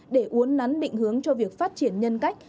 để uốn nắn định hướng cho việc phát triển nhân cách